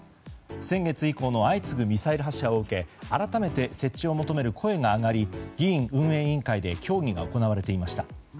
先月以降の相次ぐミサイル発射を受け改めて設置を求める声が上がり議院運営委員会で協議が行われていました。